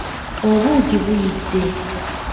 Obuugi buyidde.